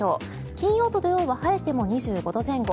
金曜と土曜は晴れても２５度前後。